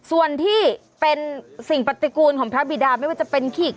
ส่วนที่เป็นสิ่งปฏิกูลของพระบิดาไม่ว่าจะเป็นขีก